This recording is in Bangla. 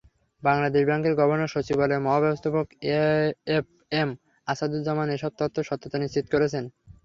বাংলাদেশ ব্যাংকের গভর্নর সচিবালয়ের মহাব্যবস্থাপক এএফএম আসাদুজ্জামান এসব তথ্যের সত্যতা নিশ্চিত করেছেন।